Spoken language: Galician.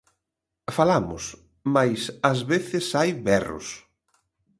Falamos, mais ás veces hai berros.